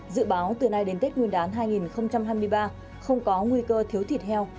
dự báo từ nay đến tết nguyên đán hai nghìn hai mươi ba không có nguy cơ thiếu thịt heo